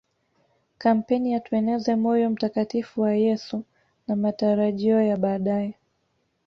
kampeni ya tueneze moyo mtakatifu wa Yesu na matarajio ya baadae